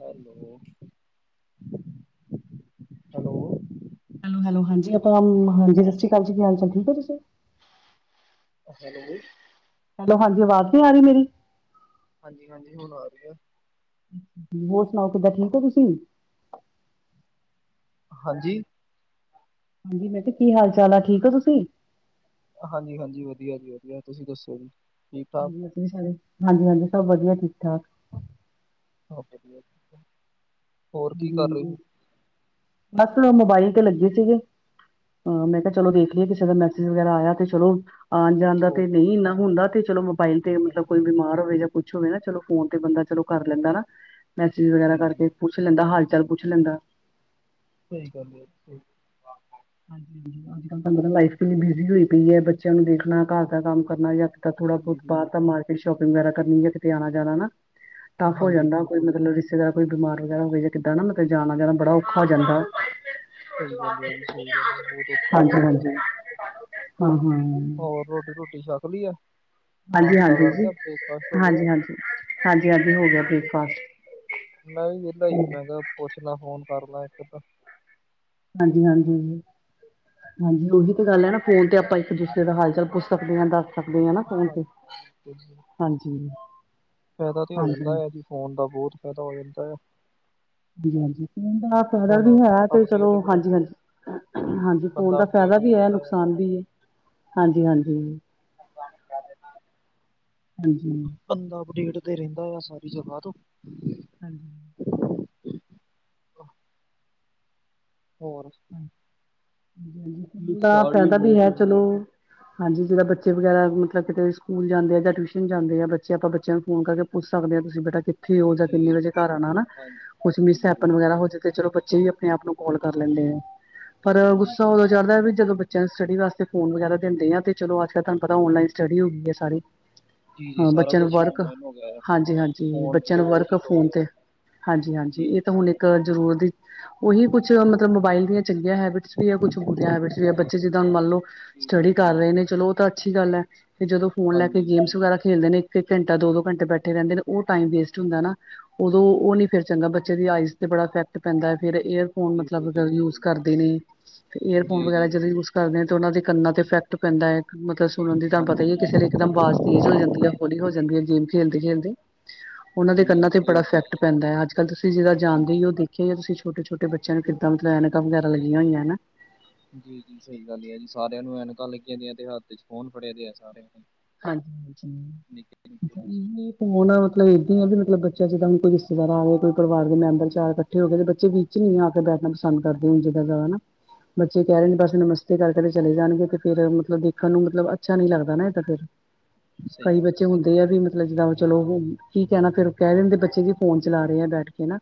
Hello. Hello. Hello, hello ਹਾਂਜੀ ਆਪਾਂ ਹਾਂਜੀ 'ਸਤਿ ਸ੍ਰੀ ਅਕਾਲ'ਜੀ ਕੀ ਹਾਲ ਚਾਲ ਠੀਕ ਹੋ ਤੁਸੀਂ। ਲ [unintelligible] ਹੈਲੋ, ਹਾਂਜੀ ਆਵਾਜ਼ ਨਹੀਂ ਆ ਰਹੀ ਮੇਰੀ। ਹਾਂਜੀ, ਹਾਂਜੀ ਹੁਣ ਆ ਰਹੀ ਐ। ਹੋਰ ਸੁਣਾਓ ਕਿੱਦਾਂ ਠੀਕ ਓ ਤੁਸੀਂ। ਹਾਂਜੀ। ਹਾਂਜੀ ਬੇਟੇ ਕੀ ਹਾਲ ਚਾਲ ਆ ਠੀਕ ਓ ਤੁਸੀਂ। ਹਾਂਜੀ, ਹਾਂਜੀ ਵਧੀਆ ਜੀ, ਵਧੀਆ ਤੁਸੀਂ ਦੱਸੋ ਜੀ। ਠੀਕ-ਠਾਕ? ਹਾਂਜੀ ਵਧਿਆ ਸਾਰੇ ਹਾਂਜੀ, ਹਾਂਜੀ ਸਭ ਵਧੀਆ ਠੀਕ ਠਾਕ। ਸਬ ਵਧਿਆ ਜੀ। ਹਾਂਜੀ, ਹਾਂਜੀ ਬਸ ਮੋਬਾਈਲ ਤੇ ਲੱਗੇ ਸੀਗੇ। ਹਾਂ ਮੈਂ ਕਿਹਾ ਚਲੋ ਦੇਖ ਲਈਏ ਕਿਸੇ ਦਾ ਮੈਸੇਜ ਵਗੈਰਾ ਆਇਆ ਤੇ ਚਲੋ ਆਣ ਜਾਣ ਦਾ ਹੋਰ ਤੇ ਨਹੀਂ ਇੰਨਾ ਹੁੰਦਾ ਤੇ ਚਲੋ ਫਾਈਲ ਤੇ ਮਤਲਬ ਹਾਂਜੀ, ਕੋਈ ਬਿਮਾਰ ਹੋਵੇ ਜਾਂ ਕੁਛ ਹੋਵੇ ਨਾ ਚਲੋ ਫੋਨ ਤੇ ਬੰਦਾ ਚਲੋ ਕਰ ਲੈਂਦਾ ਨਾ। ਮੈਸੇਜ ਵਗੈਰਾ ਜੀ ਜੀ ਕਰਕੇ ਪੁੱਛ ਲੈਂਦਾ ਹਾਲ ਚਾਲ ਪੁੱਛ ਲੈਂਦਾ। ਸਹੀ ਗੱਲ ਹੈ ਸਹੀ ਗ ਹਾਂਜੀ, ਹਾਂਜੀ ਅੱਜ ਕਲ ਤਾਂ ਮਤਲਬ ਲਾਈਫ ਕਿੰਨੀ ਬਿਜ਼ੀ ਹੋਈ ਪਈ ਹੈ ਬੱਚਿਆਂ ਨੂੰ ਦੇਖਣਾ ਘਰ ਦਾ ਕੰਮ ਕਰਨਾ ਜਾਂ ਤਾਂ ਥੋੜਾ ਬਹੁਤ ਜੀ-ਜੀ, [unintelligible] ਤਾਂ ਮਾਰਕੀਟ ਸ਼ੋਪਿੰਗ ਵਗੈਰਾ ਕਰਨੀ ਏ ਕਿਤੇ ਆਣਾ ਜਾਣਾ ਨਾ। ਟਫ ਹੋ ਹਾਂਜੀ ਜਾਂਦਾ ਕੋਈ ਬਿਲਕੁਲ। ਮਤਲਬ ਕਿਸੇ ਦਾ ਕੋਈ ਬਿਮਾਰ ਵਗੈਰਾ ਹੋਵੇ ਜਾਂ ਕਿੱਦ ਨਾ ਮਤਲਬ ਜਾਨਾ ਜਾਨਾ ਬੜਾ ਔਖਾ ਹੋ ਜਾਂਦਾ। ਸਹੀ ਗੱਲ ਏ ਜੀ। ਸਹੀ ਗੱਲ ਏ, ਬਹੁਤ ਔਖਾ ਹੋ ਜਾਂਦਾ। ਹਾਂਜੀ-ਹਾਂਜੀ [unintelligible] ਹਾ-ਹਾ। ਹੋਰ ਰੋਟੀ ਰੋਟੀ ਛਕ ਲੀ ਆ ਹਾਂਜੀ ਨਾਸ਼ਤਾ ਹਾਂਜੀ ਕਰ ਜੀ ਲਿਆ, ਬ੍ਰੇਕਫਾਸਟ ਹੋ ਗਿਆ? ਹਾਂਜੀ ਹਾਂਜੀ ਹਾਂਜੀ ਹਾਂਜੀ ਹੋ ਗਿਆ ਬ੍ਰੇਕਫਾਸਟ ਮੈਂ ਵੀ ਵਿਹਲਾ ਹੀ ਮਹਿੰਗਾ ਪੁੱਛ ਲ ਫੋਨ ਕਰ ਲਾ ਇੱਕ ਅੱਧਾ। ਹਾਂਜੀ-ਹਾਂਜੀ ਹਾਂਜੀ ਉਹੀ ਤੇ ਗੱਲ ਹੈ ਨਾ ਫੋਨ ਤੇ ਆਪਾ ਇੱਕ ਦੂਸਰੇ ਦਾ ਹਾਲ ਚਾਲ ਪੁੱਛ ਸਕਦੇ ਹਾ ਦ ਸਕਦੇ ਹਾ ਨਾ ਫੋਨ ਤੇ ਹਾਂਜੀ, ਬਿਲਕੁਲ, ਬਿਲਕੁਲ। ਹਾਂਜੀ। ਫਾਇਦਾ ਤੇ ਹੋ ਹਾਂਜੀ ਜਾਂਦਾ ਹੈ ਜੀ ਫੋਨ ਦਾ ਬੌਤ ਫਾਇਦਾ ਹੋ ਜਾਂਦਾ ਹੈ। ਹ ਹਾਂਜੀ ਦਾ [unintelligible] ਵੀ ਸਾਨੂੰ ਹੈ ਤੇ ਚਲੋ ਅਪਡੇਟ ਵੀ ਹਾਂਜੀ- ਹਾਂਜੀ। ਹਾਂਜੀ ਫੋਨ ਬੰਦਾ ਦਾ ਅਪਡੇਟ ਫਾਇਦਾ ਵੀ ਹੈ ਰਹਿੰਦਾ ਆ, ਨੁਕਸਾਨ ਵੀ ਹੈ ਹਾਂਜੀ-ਹਾਂਜੀ। [unintelligible] [unintelligible] ਬੰਦਾ ਅਪਡੇਟ ਤੇ ਰਹਿੰਦਾ ਆ ਸਾਰੀ ਜਗਾ ਤੋ। ਹਾਂਜੀ ਹੋਰ ਦਾ ਫਾਇਦਾ ਵੀ ਹੈ ਚਲੋ ਹਾਂਜੀ ਜਿਦਾ ਬੱਚੇ ਵਗੈਰਾ ਮਤਲਬ ਕਿਤੇ ਸਕੂਲ ਜਾਂਦੇ ਆ ਜਾ ਟਿਊਸ਼ਨ ਜਾਂਦੇ ਆ ਬੱਚੇ ਆਪਾਂ ਬੱਚਿਆ ਨੂੰ ਫੋਨ ਕਰਕੇ ਪੁੱਛ ਸਕਦੇ ਹੋ ਤੁਸੀ ਬੇਟਾ ਕਿ ਕਿੱਥੇ ਹੋ ਜੀ ਕਿੰਨੇ ਵਜੇ ਘਰ ਆਣਾ ਹਨਾ ਹਾਂਜੀ ਕੁਛ ਮਿਸ ਬਿਲਕੁਲ ਹੈਪਨ ਜੀ ਵਗੈਰਾ ਹੋ ਜੇ ਤੇ ਚਲੋ ਬੱਚੇ ਵੀ ਆਪਣੇ ਆਪ ਨੂੰ ਕਾਲ ਕਰ ਲੈਂਦੇ ਆ ਪਰ ਗੁੱਸਾ ਹਾਂਜੀ ਉਹਦੋ ਚੜਦਾ ਵੀ ਜਦੋਂ ਬੱਚਿਆਂ ਨੂੰ ਸਟਡੀ ਵਾਸਤੇ ਫੋਨ ਵਗੈਰਾ ਦਿੰਦੇ ਆ ਤੇ ਚਲੋ ਅੱਜ ਕੱਲ ਪਤਾ ਆਨਲਾਈਨ ਸਟੱਡੀ ਹੁੰਦੀ ਹੈ ਸਾਰੀ। [inaudible] ਹਾਂ ਸਾਰਾ ਬੱਚਿਆਂ ਨੂੰ ਕੁਝ ਹੀ ਵਰਕ, ਆਨਲਾਈਨ ਹੋ ਗਿਆ ਹੈ ਹਾਂਜੀ-ਹਾਂਜੀ ਫੋਨ ਦੀ ਬੱਚਿਆਂ ਤੇ ਨੂੰ ਬਹੁਤ ਵਰਕ ਹੀ ਲੋੜ ਫੋਨ ਹੈ ਤੇ ਹਾਂਜੀ-ਹਾਂਜੀ ਜੀ ਇਹ ਤਾਂ ਹੁਣ ਇੱਕ ਬਿਲਕੁਲ। ਜਰੂਰਤ ਦੀ ਉਹੀ ਕੁਛ ਮਤਲਬ ਮੋਬਾਇਲ ਚੰਗੀਆਂ ਹੈਬਿਟਸ ਵੀ ਆ ਕੁੱਛ ਬੁਰੀਆਂ ਹੈਬਿਟਸ ਵੀ ਆ ਬੱਚੇ ਜਿੱਦਾਂ ਹੁਣ ਮੰਨ ਲਓ ਜੀ ਜੀ ਸਟੱਡੀ ਜੀ ਕਰ ਰਹੇ ਨੇ ਚਲੋ ਉਹ ਤਾਂ ਅੱਛੀ ਗੱਲ ਹੈ ਤੇ ਜਦੋਂ ਫੋਨ ਲੈ ਕੇ ਹਾਂਜੀ ਗੇਮਸ ਵਗੈਰਾ ਖੇਲਨ ਇੱਕ-ਇੱਕ ਘੰਟਾ ਦੋ-ਦੋ ਘੰਟੇ ਬੈਠੇ ਰਹਿੰਦੇ ਨੇ ਉਹ ਟਾਈਮ ਵੇਸਟ ਹੁੰਦਾ ਨਾ। ਉਦੋਂ ਉਹ ਨੀ ਫੇਰ ਚੰਗਾ ਬੱਚੇ ਦੀ ਆਈਜ਼ ਤੇ ਬੜਾ ਇਫੈਕਟ ਪੈਂਦਾ ਫਿਰ ਏਅਰ ਫੋਨ ਬਿਲਕੁਲ ਮਤਲਬ ਜੀ ਯੂਜ ਬਿਲਕੁਲ ਜੀ ਕਰਦੇ ਨੇ ਏਅਰ ਫੋਨ ਜੀ ਵਗੈਰਾ ਜੀ ਜਦੋ ਯੂਜ ਕਰਦੇ ਤੇ ਉਹਨਾਂ ਦੇ ਕੰਨਾਂ ਤੇ ਇਫੈਕਟ ਪੈਂਦਾ ਹੈ ਮਤਲਬ ਸੁਣਨ ਦੀ ਤੁਹਾਨੂੰ ਪਤਾ ਹੀ ਹਾਂਜੀ ਹੈ ਕਿਸੇ ਲਈ ਇੱਕਦਮ ਆਵਾਜ਼ ਤੇਜ਼ ਹੋ ਜਾਂਦੀ ਹੈ। ਹੋਲੀ ਹੋ ਜਾਂਦੀ ਹੈ ਗੇਮ ਖੇਲਦੇ-ਖੇਲਦੇ। ਉਨਾਂ ਦੇ ਜੀ ਕੰਨਾ ਜੀ ਤੇ ਸਹੀ ਬੜਾ ਗੱਲ ਹੈ ਇਫੈਕਟ ਜੀ ਪੈਂਦਾ ਅੱਜ ਕੱਲ ਤੁਸੀਂ ਜਰਾ ਜਾਣਦੇ ਹੀ ਹਾਂਜੀ ਹੋ ਦੇਖਿਆ ਜਾ ਤੁਸੀ ਛੋਟੇ-ਛੋਟੇ ਬੱਚਿਆਂ ਨੂੰ ਕਿੱਦਾਂ ਐਨਕਾ ਵਗੈਰਾ ਲੱਗੀਆਂ ਹੋਈਆਂ ਨਾ। ਜੀ-ਜੀ ਸਹੀ ਗੱਲ ਹੈ ਜੀ ਸਾਰਿਆਂ ਨੂੰ ਐਨਕਾਂ ਲੱਗੀਆਂ ਦੀਆਂ ਤੇ ਹੱਥ ਚ ਫੋਨ ਫੜਿਆ ਦੇ ਆ ਸਾਰਿਆਂ ਨੇ। ਹਾਂਜੀ ਨਿੱਕੇ ਨਿੱਕੇ ਜੀ। ਹੁਣ ਮਤਲਬ ਇੱਦ ਹੀ ਆ ਵੀ ਮਤਲਬ ਬੱਚਾ ਜਿੱਦਾਂ ਹੁ ਕੋਈ ਰਿਸ਼ਤੇਦਾਰ ਆਵੇ ਤੇ ਪਰਿਵਾਰ ਦੇ ਮੈਂਬਰ ਚਾਰ ਕੱਠੇ ਹੋ ਗਏ ਤੇ ਬੱਚੇ ਵੀ ਵਿਚ ਨੀ ਆ ਕੇ ਬੈਠਣਾ ਪਸੰਦ ਕਰਦੇ ਹੁਣ ਜਿੱਦਾਂ ਕਵਾਂ ਨਾ, ਬੱਚੇ ਕਹਿ ਜੀ ਰਹੇ ਬਸ ਨਮਸ ਸਤੇ ਕਰਕੇ ਚਲੇ ਜਾਣਗੇ ਤੇ ਫੇਰ ਮਤਲਬ ਦੇਖਣ ਨੂੰ ਮਤਲਬ ਅੱਛਾ ਨੀ ਲੱਗਦਾ ਨਾ ਐ ਤੇ ਫੇਰ। ਸਹੀ ਕਈ ਗੱਲ ਬੱਚੇ ਹੁੰਦੇ ਆ ਵੀ ਮਤਲਬ ਜਿੱਦਾ ਚਲੋ ਹੁਣ ਕੀ ਕਹਿਣਾ ਫੇਰ ਉਹ ਕਹਿ ਦਿੰਦੇ ਬੱਚੇ ਵੀ ਫੋਨ ਚਲਾ ਰਹੇ ਬੈਠ ਕੇ ਹਨਾ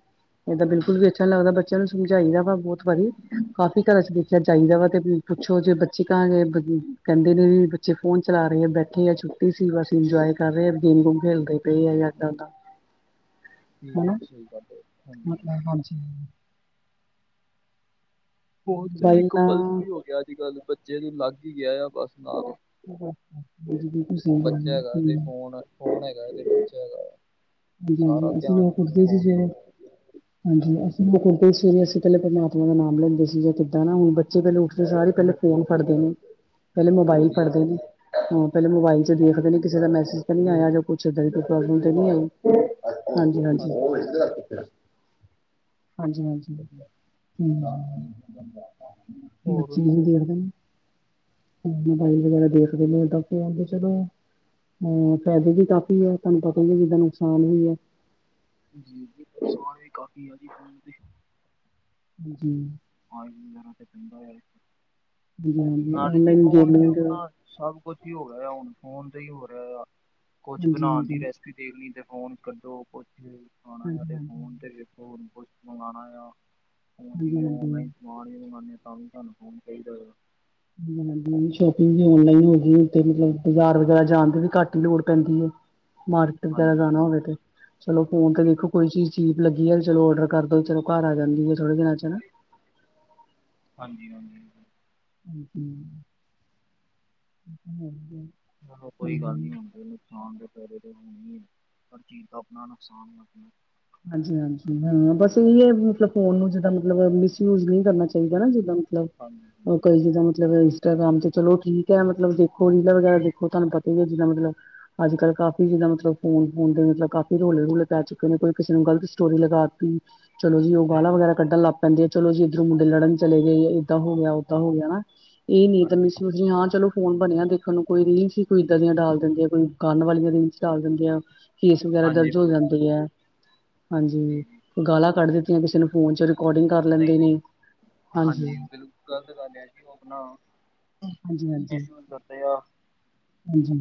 ਇਹਦਾ ਬਿਲਕੁਲ ਹਾਂਜੀ। ਵੀ ਅੱਛਾ ਨੀ ਲੱਗਦਾ ਬੱਚਿਆਂ ਨੂੰ ਸਮਝਾਈ ਦਾ ਬਹੁਤ ਵਾਰੀ ਕਾਫੀ ਘਰਾਂ ਚ ਦੇ ਜਾਈਦਾ ਵਾ ਤੇ ਪੁੱਛੋ ਜੇ ਬੱਚੇ ਕਹਾਂ ਗਏ ਕਹਿੰਦੇ ਨੇ ਵੀ ਬੱਚੇ ਫੋਨ ਚਲਾ ਰਹੇ ਆ ਬਠ ਕੀ ਐ ਛੁੱਟੀ ਸੀ ਬਸ ਇੰਜੋਏ ਕਰ ਰਹੇ ਗੇਮ ਗੂਮ ਖੇਦੇ ਪਏ ਐ ਯਾ ਇਦਾ ਉਦਾ। ਜੀ, ਹਨ ਜੀ ਸਹੀ ਗੱਲ ਹੈ, ਹਾਂਜੀ। ਮਤਲਬ ਹਾਂਜੀ। ਫੋਨ ਵੀ ਮੋਬਾਈਲ ਨਾਲ ਕੰਪਲਸਰੀ ਹੋ ਗਿਆ ਅੱਜ ਕੱਲ੍ਹ ਬੱਚੇ ਨੂੰ ਲੱਗ ਹੀ ਗਿਆ ਆ ਬਸ ਨਾਲ। ਬੱਚਾ ਹੈਗਾ ਤੇ [unintelligible] ਫੋਨ, ਫੋਨ ਹੈਗਾ ਇਹਦੇ ਵਿੱਚ ਹੈਗਾ। [unintelligible] ਹਾਂਜੀ, ਸਾਰਾ ਅਸੀਂ ਧਿਆਨ ਹੀ ਹੁਣ ਉਠਦੇ ਫੋਨ ਤੋਂ ਸੀ ਅਸੀਂ ਪਹਿਲੇ ਪਰਮਾਤਮਾ ਦਾ ਨਾਮ ਲੈਂਦੇ ਸੀ। ਜਾਂ ਕਿੱਦਾਂ ਨਾ, ਹੁਣ ਬੱਚੇ ਉੱਠਦੇ ਸਾਰ ਪਹਿਲੇ ਫੋਨ, ਫੜਦੇ ਨੇ [inaudible] [unintelligible] ਪਹਿਲੇ, ਮੋਬਾਈਲ ਜੀ, ਫੜਦੇ ਜੀ, ਨੇ, ਹਾਂ ਪਹਿਲੇ ਮੋਬਾਈਲ ਚ ਸਹੀ ਦੇਖਦੇ, ਨੇ ਗੱਲ ਹੈ, ਕਿਸੇ ਦਾ, ਮੈਸੇਜ ਤਾਂ ਨਹੀਂ ਆਇਆ, ਜਾਂ ਕੋਈ ਪ੍ਰੋਬਲਮ ਤਾਂ ਨਹੀਂ ਆਈ ਹਾਂਜੀ-ਹਾਂਜੀ। ਹਾਂਜੀ। ਹਾਂਜੀ-ਹਾਂਜੀ ਹੋਰ ਬੱਚੀ ਨੂੰ ਦੇ ਦੋ ਬਾਈ ਵਗੈਰਾ ਦੇਖ ਰਹੇ ਨੇ, ਤਬ ਤੇ ਆਗੇ ਚਲੋ ਹਾਂ ਫਾਇਦੇ ਵੀ ਕਾਫ਼ੀ ਏ ਤੁਹਾਨੂੰ ਪਤਾ ਏਦੇ ਨੁਕਸਾਨ ਵੀ, ਏ ਜੀ ਸਮਾਨ ਵੀ ਕਾਫੀ ਆ ਜੀ ਫੋਨ ਤੇ [inaudible] ਜੀ [unintelligible] ਆਇ ਵਗਰਾ ਤੇ ਧਠੰਡਾ [inaudible] ਹਾਂਜੀ ਹਾਂਜੀ ਨਾਲੇ ਜੀ ਔਨਲਾਈਨ ਫੋਨ ਗੇਮਿੰਗ ਚੁੱਕਣਾ ਸਭ ਕੁਛ ਹੀ ਹੋ ਰਿਹਾ, ਹੁਣ ਫੋਨ ਤੇ ਹੀ ਹੋ ਰਿਹਾ ਆ, ਕੁਛ ਹਾਂਜੀ ਬਣਾਉਣ ਦੀ, ਹਾਂਜੀ ਹਾਂਜੀ ਰੇਸਿਪੀ ਜੇ ਦੇਖਣੀ ਤੇ, ਫੋਨ ਕੱਢੋ ਕੁੱਛ ਖਾਣਾ ਤੇ ਹਾਂਜੀ ਫੋਨ ਤੇ ਹੋਰ, ਕੁਛ ਮੰਗਉਣਾ ਆ, ਹਾਂਜੀ ਜਿਵੇਂ ਔਨਲਾਈਨ ਹਾਂਜੀ ਨ ਮਨੋ ਤਾਂ ਵੀ, ਸਾਨੂੰ ਫੋਨ ਚਾਹੀਦਾ ਏ ਮੰਮੀ ਦੀ ਸ਼ੋਪਿੰਗ ਵੀ ਔਨਲਾਈਨ ਹੋ ਗਈ, ਮਤਲਬ ਬਾਜ਼ਾਰ ਵਗੈਰਾ ਜਾਣ ਦੀ ਵੀ ਘੱਟ ਲੋੜ ਪੈਂਦੀ ਹੈ ਮਾਰਕੀਟ ਵਗੈਰਾ, ਹਾਂਜੀ ਜਾਣਾ ਹਾਂਜੀ ਹੋਵੇ ਤੇ ਚਲੋ ਫੋਨ ਤੇ ਠੀਕ ਹੈ। ਦੇਖੋ ਕੋਈ ਚੀਜ਼ ਚੀਪ ਲੱਗੀ ਹੈ, ਤੇ ਚਲੋ ਔਡਰ ਕਰ ਦੋ, ਚਲ ਘਰ ਆ ਜਾਂਦੀ ਹੈ ਥੋੜੇ ਦਿਨਾਂ ਚ, ਹਨਾ ਹਾਂਜੀ-ਹਾਂਜੀ। ਹਾਂਜੀ [unintelligible] ਆਹੋ, ਕੋਈ ਗੱਲ ਨੀ ਹੁੰਦੀ ਹਾ ਕਰਕੇ, ਹਰਜੀਤ ਆਪਣਾ ਨੁਕਸਾਨ ਆਪਣਾ ਹਾਂਜੀ-ਹਾਂਜੀ ਹਾਂ, ਬਸ ਇਹ ਹੈ ਮਤਲਬ ਫੋਨ ਨੂੰ ਜਿੱਦਾਂ ਮਤਲਬ ਮਿਸਯੂਜ ਨਹੀਂ, ਕਰਨਾ ਚਾਹੀਦਾ ਨਾ, ਜਿੱਦਾਂ ਲਓ ਹਾਂਜੀ ਅੰਕਲ ਹਾਂਜੀ ਜੀ ਮਤਲਬ, ਉ ਇਸਟਾਗ੍ਰਾਮ, ਤੇ ਚਲੋ ਠੀਕ ਹੈ ਮਤਲਬ ਦੇਖੋ, ਰੀਲਾਂ ਵਗੈਰਾ, ਦੇਖੋ ਤੁਹਾਨੂੰ ਪਤਾ ਹੀ ਹੈ ਜਿੱਦਾਂ ਮਤਲਬ ਅੱਜ ਕੱਲ ਕਾਫੀ ਜਿੰਦਾ ਮੱਤਲਬ ਫੋਨ ਫੂਨ ਕਾਫੀ ਰੋਲੇ ਰੂਲੇ ਪੈ ਚੁੱਕੇ ਨੇ ਕੋਈ ਕਿਸੇ ਨੂੰ, ਗਲਤ ਸਟੋਰੀ ਲਗਾ ਤੀ ਚਲੋ ਜੀ, ਉਹ ਤੇ- ਗਾਲਾਂ ਵਗੈਰਾ ਕੱਢਣ ਲੱ ਕਹਿੰਦੇ, ਆ ਚਲੋ ਜੀ ਇੱਧਰੋਂ ਮੁੰਡੇ ਲੜਨ ਹਾਂਜੀ ਚਲੇ ਗਏ, ਏਦਾਂ ਹੋ ਗਿਆ ਉੱਦਾਂ ਹੋ ਗਿਆ, ਹਨਾ ਇਹ ਨੀ ਤਾਂ ਹਾਂਜੀ ਮ ਸੀ ਹਾਂ, ਚਲੋ ਫੋਨ ਬਣਿਆ ਦੇਖ ਸਾਨੂੰ ਕੋਈ ਰੀਲਸ, ਹੀ ਕੋਈ ਇੱਦਾਂ ਦੀਆਂ ਡਾਲ ਦਿੰਦੇ ਆ, ਕੋਈ ਗਾਣੇ, ਵਾਲੀਆਂ ਰੀਲਸ ਡਾਲ ਦਿੰਦੇ ਆ ਕੇਸ ਵਗੈਰਾ, ਹਾਂਜੀ ਦਰਜ ਹੋ ਬਿਲਕੁਲ ਜਾਂਦੇ ਆ ਹਾਂਜੀ, ਜੀ ਜੀ ਗਾਲਾਂ ਕੱਢ ਦਿੱਤੀਆਂ, ਕਿਸੇ ਨੂੰ ਫੋਨ ਚ ਰਿਕੋਡਿੰਗ ਕਰ ਲੈਂਦੇ ਨੇ, ਹਾਂਜੀ ਗ਼ਲਤ, ਗੱਲ ਹੈ ਜੀ' ਉਹ ਆਪਣਾ, ਮਿਸਯੂਜ ਕਰਦੇ ਆ ਹਾਂਜੀ-ਹਾਂਜੀ-ਹਾਂਜੀ,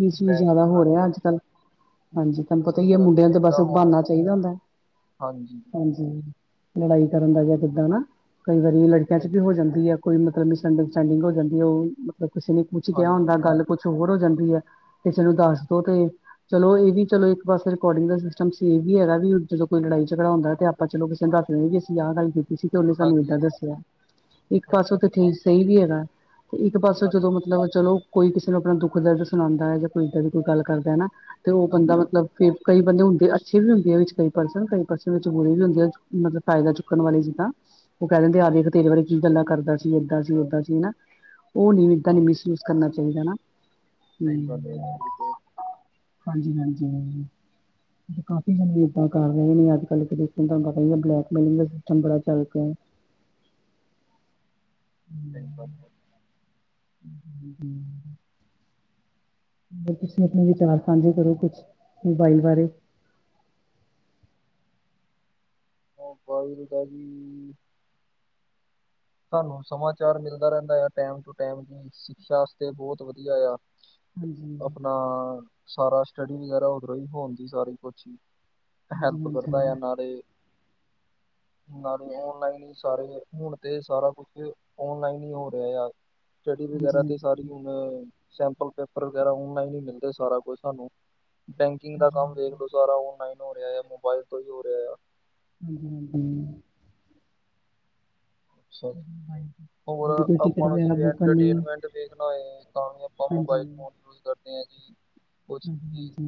ਮਿਸ ਵੀ ਜ਼ਿਆਦਾ ਬਲੈਕਮੇਲ ਹੋ ਰਹੇ ਕਰਦੇ ਆ ਅੱਜ ਜੀ ਕੱਲ ਹਾਂਜੀ, ਤਹਾਨੂੰ ਪਤਾ ਸਹੀ ਹੀ ਹੈ, ਗੱਲ ਮੁੰਡਿਆਂ ਆ ਤੇ ਇਹ ਬਸ ਤਾਂ ਹੋਣਾ ਬਹਾਨਾ ਚਾਹੀਦਾ ਹੁੰਦਾ, ਹਾਂਜੀ ਹਾਂਜੀ ਲੜਾਈ ਕਰਨ ਦਾ ਗਿਆ ਕਿੱਦਾਂ, ਨਾ ਕਈ ਵਾਰੀ ਲੜਕੀਆਂ, ਚ ਸਹੀ ਵੀ ਹੋ ਜਾਂਦੀ ਹੈ, ਕੋਈ ਮਿਸ ਅੰਡਰ ਸਟੈਂਡਿੰਗ ਸੈਟਿੰਗ ਹੋ ਜਾਂਦੀ ਹੈ, ਉਹ ਮਤਲਬ, ਕਿਸੇ ਨੇ ਕੁਛ ਕਿਹਾ, ਹਾਂਜੀ ਹੁੰਦਾ ਹਾਂਜੀ ਗੱਲ ਕੁਛ ਹੋਰ ਹੋ ਜਾਂਦੀ, ਹੈ ਕਿਸੇ ਨੂੰ, ਦੱਸ ਦੋ ਤੇ ਚਲੋ ਇਹ ਵੀ ਚਲੋ, ਇੱਕ ਪਾਸੇ ਰਿਕੋਡਿੰਗ ਦਾ ਸਿਸਟਮ ਇਹ ਵੀ ਹੈਗਾ ਵੀ, ਜਦੋਂ ਕੋਈ ਲੜਾਈ ਝਗੜਾ ਹੁੰਦਾ ਤੇ, ਆਪ ਪਰ ਚਲੋ, ਕਿਸ ਨੂੰ ਦਸ ਕੇ, ਏਸੀ ਆਹ ਗੱਲ ਕੀਤੀ ਤੁਸੀ ਤੇ ਉਹਨੇ ਸਾਨੂੰ, ਹਾਂਜੀ ਏਦਾਂ ਦੱਸਿਆ, ਇੱਕ ਸਹੀ ਪਾਸੇ ਗੱਲ ਤਾਂ ਹੈ ਠੀਕ ਸਹੀ ਵੀ ਹੈ ਤੇ ਇੱਕ ਪਾਸੇ ਹਾਂਜੀ ਜਦੋਂ ਮਤਲਬ ਚਲੋ, ਕੋਈ ਕਿਸੇ ਨੂੰ ਆਪਣਾ ਦੁੱਖ ਦਰਦ ਸੁਣਾਉਂਦਾ ਹੈ ਜਾਂ, ਕੋਈ ਇੱਦਾਂ ਦੀ ਕੋਈ ਗੱਲ ਕਰਦਾ ਹੈ, ਨਾ ਤੇ ਉਹ ਬੰਦਾ, ਹਾਂਜੀ ਮਤਲਬ ਫ਼ਿਰ ਕਈ ਬੰਦੇ, ਹੁੰਦੇ ਅੱਛੇ ਵੀ ਹੁੰਦੇ ਆ ਵਿੱਚ, ਕਈ ਪਰਸਨ ਕਈ ਪਰਸਨ ਵਿੱਚ ਬੁਰੇ ਵੀ ਹੁੰਦੇ, ਮਤਲਬ ਫਾਇਦਾ ਚੁੱਕਣ ਵਾਲੇ ਜਿੱਦਾਂ ਉਹ ਕਹਿ ਦਿੰਦੇ, ਆ ਦੇਖ ਤੇਰੇ ਬਾਰੇ ਕੀ ਗੱਲਾਂ ਕਰਦਾ ਸੀ ਏਦਾਂ ਸੀ ਉਦਾਂ ਸੀ। ਹਨਾ, ਉਹ ਨਹੀ ਤੈਨੂੰ ਹਾਂਜੀ ਮਹਿਸੂਸ ਕਰਨਾ ਚਾਹੀਦਾ, ਹਨਾ ਸਹੀ ਗੱਲ ਹੈ ਜੀ [unintelligible] ਬਿਲਕੁਲ ਹਾਂਜੀ-ਹਾਂਜੀ ਹ ਕਾਫੀ ਬੰਦੇ ਇੱਦਾਂ ਕਰ ਰਹੇ ਨੇ ਅੱਜ ਕੱਲ ਦੇਖ ਪਤਾ ਹੀ ਬਲੈਕਮੇਲਿੰਗ ਦਾ ਸਿਸਟਮ ਬੜਾ ਚਲਯਾਂ ਚ [unintelligible] ਹੂੰ ਤੁਸੀਂ ਆਪਨੇ ਵਿਚਾਰ ਸਾਂਝੇ ਕਰੋ ਕੁਛ ਮਹਿੰਗਾਈ ਬਾਰੇ। [unintelligible] ਸਾਨੂੰ ਸਮਾਚਾਰ ਮਿਲਦਾ ਰਹਿੰਦਾ ਆ ਟੈਮ ਟੂ ਟਾਈਮ ਸ਼ਿਕਸ਼ਾ ਵਾਸਤੇ ਬਹੁਤ ਵਧੀਆ ਆ। ਹਾਂਜੀ, ਆਪਣਾ ਸਾਰਾ ਸਟੱਡੀ ਵਗੈਰਾ ਉਧਰੋਂ ਹੀ ਹੋਣ ਦੀ ਸਾਰੀ ਕੁਛ ਈ। ਹੈਲਪ ਕਰਦਾ ਹਾਂਜੀ-ਹਾਂਜੀ, ਆ ਨਾਲੇ, ਨਾਲੇ ਔਨਲਾਈਨ ਹੀ ਸਾਰੇ ਹੁਣ ਤੇ ਸਾਰਾ ਕੁਛ ਓਨਲਾਈਨ ਹੀ ਹੋ ਰਿਹਾ ਆ ਸਟੱਡੀ ਵਗੈਰਾ ਤੇ ਹਾਂਜੀ-ਹਾਂਜੀ, ਹਾਂਜੀ, ਹਾਂਜੀ-ਹਾਂਜੀ। ਸਾਰੀ ਹੁਣ ਸੈਂਪਲ ਪੇਪਰ ਵਗੈਰਾ ਔਨਲਾਈਨ ਹੀ ਮਿਲਦੇ ਸਾਰਾ ਕੁਝ ਸਾਨੂੰ ਬੈਂਕਿੰਗ ਦਾ ਕੰਮ ਹਾਂਜੀ, ਦੇਖ ਲਓ। ਸਾਰਾ ਔਨਲਾਈਨ ਹੋ ਰਿਹਾ ਆ ਮੋਬਾਇਲ ਤੋਂ ਹੀ ਹੋ ਰਿਹਾ ਆ। ਹਾਂਜੀ-ਹਾਂਜੀ [unintelligible] ਹੋਰ ਕੋਈ ਟਿਕਟ ਆਪਾਂ ਨੂੰ ਵਗੈਰਾ ਜਿਵੇਂ ਬੁੱਕ ਕਰਨੀ ਇਟਰਟੇਨਮੈਂਟ ਵੇਖਣਾ ਹੈ ਤਾਂ ਵੀ ਆਪਾਂ ਹਾਂਜੀ, ਮੋਬਾਇਲ ਫੋਨ ਯੂਜ ਕਰਦੇ ਹਾਂ ਜੀ। ਕੁਛ ਵੀ ਹਾਂਜੀ-ਹਾਂਜੀ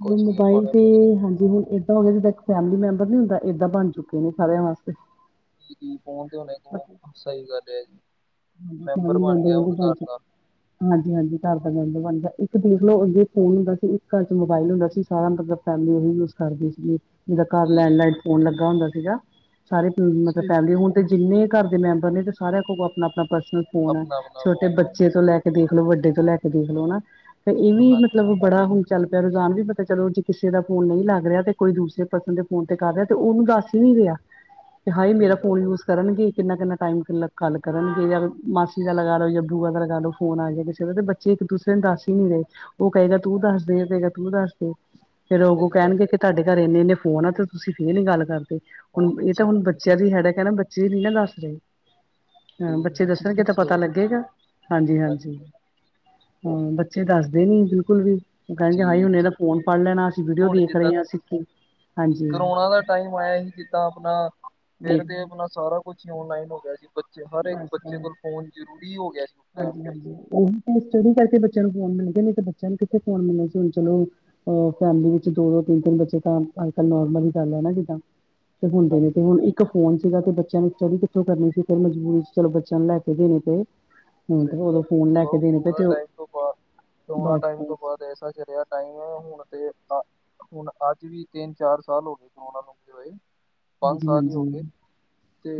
ਕੁਛ ਵੀ ਆਪਾਂ ਮੋਬਾਇਲ ਨੇ ਤੇ ਮਤਲਬ ਹਾਂਜੀ ਹੁਣ ਏਦਾਂ ਹੋ ਗਿਆ ਜੀਦਾ ਫੈਮਿਲੀ ਮੈਂਬਰ ਨੀ ਹੁੰਦਾ ਏਦਾਂ ਬਣ ਚੁੱਕੇ ਨੇ ਸਾਰਿਆਂ ਵਾਸਤੇ। [unintelligible] ਕਰ ਰਿਹਾ ਜੀ ਹਾਂਜੀ, ਮੈਂਬਰ ਫੈਮਿਲੀ ਬਣ ਗਿਆ ਹੁਣ ਵਾਂਗੂ ਬਣ ਘਰ ਚੁੱਕੇ ਦਾ। ਹਾਂਜੀ-ਹਾਂਜੀ ਘਰ ਦਾ ਮੈਂਬਰ ਬਣ ਗਿਆ ਇੱਕ ਦੇਖ ਲਓ ਅ ਫੋਨ ਹੁੰਦਾ ਸੀ ਇੱਕ ਘਰ ਚ ਮੋਬਾਇਲ ਹੁੰਦਾ ਸੀ ਸਾਰਾ ਮਤਲਬ ਫੈਮਲੀ ਉਹੀ ਯੂਜ ਕਰਦੀ ਸੀ। ਜਿਦਾ ਘਰ ਕੀ ਲੈਂਡ ਲਈਨ ਫੋਨ ਲੱਗਾ ਹੁੰਦਾ ਸੀਗਾ ਸਾਰੇ ਮਤਲਬ ਸਹੀ ਫੈਮਿਲੀ ਹੁਣ ਜਿੰਨੇ ਘਰ ਦੇ ਮੈਂਬਰ ਨੇ ਤੇ ਸਾਰਿਆਂ ਕੋਲ ਆਪਣਾ-ਆਪਣਾ ਪਰਸਨਲ ਫੋਨ ਹੈ ਆਪਣਾ ਆਪਣਾ ਛੋਟੇ ਫੋਨ ਹੈ ਬੱਚੇ ਤੋਂ ਜੀ। ਲੈ ਦੇਖਲੋ ਵੱਡੇ ਤੋਂ ਲੈ ਕੇ ਦੇਖਲੋ ਹਨਾ ਤੇ ਇਹ ਵੀ ਹਾਂਜੀ ਮਤਲਬ ਬੜਾ ਹੁ ਚੱਲ ਪਿਆ ਰੁਝਾਨ ਵੀ ਪਤਾ ਚਲੋੇ ਕਿਸੇ ਦਾ ਫੋਨ ਨਹੀਂ ਲ [unintelligible] [unintelligible] ਹਾਏ ਮੇਰਾ ਗੱਲ ਫੋਨ ਹੈ ਯੂਜ ਕਰਨਗੇ ਕਿੰਨਾ-ਕਿੰਨਾ ਟਾਈਮ ਕੱਲ ਕਰਨਗੇ ਜਾਂ ਮਾਸੀ ਦਾ ਲਗਾ ਲੋ ਜਾਂ ਸਹੀ ਬੂਆ ਦਾ ਲਗਾ ਲੋ ਫੋਨ ਆ ਜਾ ਗਿਆ ਕਿਸੇ ਦਾ ਤੇ ਬੱਚੇ ਇੱਕ ਦੂਸ ਨ ਹਾਂ ਦੱਸ ਹੀ ਨਹੀ ਰਹੇ ਉਹ ਕਹੇਗਾ ਤੂੰ ਹਾਂ ਦੱਸ ਦੇ ਉਹ ਕਹੇਗਾ ਤੂੰ ਦੱਸ ਦੇ ਫੇਰ ਉਹ ਉਹ ਸਹੀ ਗੱਲ ਕਹਿਣਗੇ ਹੈ ਕਿ ਤਾਡੇ ਘਰ ਇੰਨੇ-ਇੰਨੇ ਫੋਨ ਆ ਤੁਸੀਂ ਫੇਰ ਨੀ ਗੱਲ ਕਰਦੇ ਹੁਣ ਇਹ ਤਾਂ ਹੁਣ ਫੋਨ ਬੱਚਿਆਂ ਦੀ ਹੈਡਕ ਹੈ ਨਾ ਬੱਚੇ ਨੀ ਨਾ ਦੱਸ ਰਹੇ, ਹੂੰ ਤੇ ਬੱਚੇ ਅਸੀਂ ਵੀ ਦੱਸਣਗੇ ਤਾਂ ਰੱਖੇ ਪਤਾ ਹੋਏ ਲੱਗੇਗਾ। ਹਾਂਜੀ-ਹਾਂਜੀ ਹੂੰ ਬੱਚੇ ਦੱਸਦੇ ਨੀ ਬਿਲਕੁਲ ਵੀ। ਕਹਿਣਗੇ ਹਾਈ ਹੁਣ ਹਾਂਜੀ ਇਹਦਾ ਫੋਨ ਫ ੜ੍ਹ ਲੈਣਾ ਅਸੀਂ ਵੀਡੀਓ ਹੁਣ ਦੇਖ ਜਿੱਦਾਂ ਰਹੇ ਹਾ। ਕਰੋਨਾ ਦਾ ਟਾਈਮ ਆਇਆ ਸੀ ਜਿੱਦਾਂ ਆਪਣਾ ਫੇਰ ਦੇਖ ਤੇ ਆਪਣਾ ਸਾਰਾ ਕੁਛ ਹੀ ਔਨਲਾਈਨ ਹੋ ਗਿਆ ਸੀ ਬੱਚੇ ਹਰ ਇੱਕ ਬਸ ਬੱਚੇ ਬਸ ਕੋਲ ਫ਼ੋਨ ਜ਼ਰੂਰੀ ਹੋ ਗਿਆ ਸੀ ਉਸ ਟਾਈਮ ਤੇ। ਹਾਂਜੀ-ਹਾਂਜੀ, ਉਹੀ ਸਟੱਡੀ ਕਰਕੇ ਬੱਚਿਆਂ ਨੂੰ ਫੋਨ ਮਿਲ ਗਏ ਨੇ ਤੇ ਬੱਚਿਆਂ ਨੂੰ ਕਿੱਥੇ ਫੋਨ ਮਿਲਣੇ ਸੀ ਹੁਣ ਚਲੋ ਫੈਮਿਲੀ ਵਿੱਚ ਦੋ-ਦੋ, ਤਿੰਨ-ਤਿੰਨ ਬੱਚੇ ਤਾਂ ਅੱਜ ਕੱਲ ਨੋਰਮਲ ਹੀ ਗੱਲ ਹੈ ਜਿੱਦਾ। ਤੇ ਹੁੰਦੇ ਨੇ ਹਾਂਜੀ ਤੇ ਹੁਣ ਇੱਕ ਫੋਨ ਸੀਗਾ ਤੇ ਬੱਚਿਆਂ ਨੇ ਸਟੱਡੀ ਕਿੱਥੋਂ ਕਰਨੀ ਸੀ। ਫਿਰ ਮਜਬੂੂਰ ਚਲੋ ਬੱਚਿਆਂ ਨੂੰ ਲੈ ਕੇ ਦੇਣੇ ਪਏ। ਹੁਣ ਸਹੀ ਤੇ ਗੱਲ ਉਦੋਂ ਹੈ ਫੋਨ ਲੈ ਬ ਕੇ ਦੇਣੇ ਪਏ ਕਰੋਣਾ ਤੇ ਉਹ ਟਾਈਮ ਤੋਂ ਬਾਅਦ ਕਰੋਨਾ ਟਾਈਮ ਤੋਂ ਬਸ-ਬਸ ਬਾਅਦ [unintelligible] ਟਾਈਮ ਹੁਣ ਤੇ ਤਾਂ ਹੁਣ ਅੱਜ ਵੀ ਤਿੰਨ ਚਾਰ ਸਾਲ ਹੋ ਗਏ ਕਰੋਨਾ ਨੂੰ ਕੀ ਹੋਏ। ਪੰਜ ਸਾਲ ਹੀ ਹੋ ਹਾਂਜੀ-ਹਾਂਜੀ, ਗਏ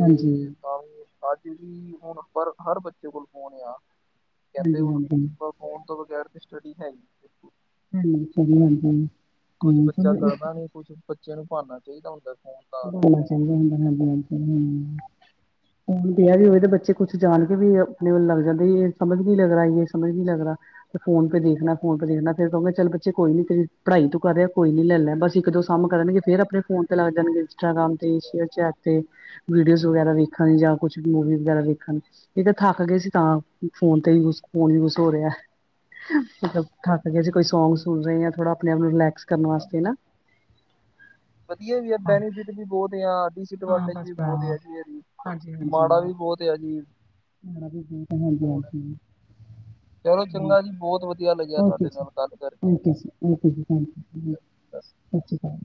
ਹਾਂਜੀ, ਹਾਂਜੀ-ਹਾਂਜੀ, ਤਾਂ ਅੱਜ ਵੀ ਹੁਣ ਪਰ ਹਰ ਬੱਚੇ ਕੋਲ ਫੋਨ ਆ ਕਹਿੰਦੇ ਹੁਣ ਫੋਨ ਤੋਂ ਬਗੈਰ ਤੇ ਸਟੱਡੀ ਹੈ ਹੀ ਨੀ ਬਿਲਕੁਲ। [unintelligible] ਕੁਛ ਹੂੰ ਬੱਚਾ ਚਲੋ ਇੱਕ ਕਰਦਾ ਨੀ ਕੁਛ ਬੱਚਿਆਂ ਨੂੰ ਬਹਾਨਾ ਚਾਹੀਦਾ ਹੁੰਦਾ ਫੋਨ ਦਾ [unintelligible] ਵਿਹ ਵੀ ਹੋਵੇ ਤਾਂ ਬੱਚੇ ਕੁੱਛ ਜਾਣ ਕੇ ਵੀ ਆਪਣੇ ਵੱਲ ਲੱਗ ਜਾਂਦੇ ਇਹ ਸਮਝ ਨੀ ਲੱਗਦਾ ਸਮਝ ਨੀ ਲੱਗਦਾ। ਫੋਨ ਪੇ ਦੇਖਣਾ ਫੋਨ ਪੇ ਦੇਖਣਾ ਫੇਰ ਕਹਗੇ ਚੱਲ ਬੱਚੇ ਕੋਈ ਨੀ ਤੇਰੀ ਪੜ੍ਹਾਈ ਕਰ ਰਿਹਾ ਕੋਈ ਨੀ ਲੈ ਲੈ ਬਸ। ਇੱਕ ਦੋ ਸਮ ਕਰਨਗੇ ਫੇਰ ਅਪਣੇ ਫੋਨ ਤੇ ਲੱਗ ਜਾਣਗੇ। ਇੰਸਟਾਗ੍ਰਾਮ ਤੇ ਸ਼ੇਯਰਚੈਟ ਤੇ ਵੀਡੀਓਜ਼ ਵਗੈਰਾ ਵੇਖਣ ਯਾ ਕੁਛ ਮੂਵੀ ਵਗੈਰਾ ਵੇਖਣ ਇਹ ਤਾਂ ਥੱਕ ਗਏ ਸੀ ਤਾਂ ਫੋਨ ਤੇ ਯੁ ਫੋਨ ਯੂਜ ਹੋ ਰਿਆ। ਮਤਲਬ ਥਕ ਜੇ ਅਸੀਂ ਕੋਈ ਸੌਂਗ ਸੁਣ ਰਏ ਆ ਥੋੜਾ ਅਪਣੇ ਆਪ ਨੂੰ ਰਿਲੈਕਸ ਕਰਨ ਵਾਸਤੇ ਨਾ। ਵਦੀਆ ਵੀ ਆ ਹਾਂ ਬੈਨੀਫਿਟ ਵੀ ਬੌਤ ਆ। ਹਾਂ ਡਿਸਐਡਵਾਂਟੇਜ ਬਸ ਵੀ ਬੌਤ ਭਰਾ, ਆ ਜੀ ਐਦੀ, ਹਾਂਜੀ ਹਾਂਜੀ ਮਾੜਾ ਵੀ ਬੌਤ ਆ ਜੀ। ਹੁਣ [unintelligible] ਚਲੋ ਚੰਗਾ ਜੀ ਬੌਤ ਵ ਓਕੇ ਜੀ, ਓਕੇ ਜੀ, ਓਕੇ ਜੀ, ਥੈਂਕ ਯੂ ਕਰਕੇ ਸਾ ਸ੍ਰੀ ਕਾਲ।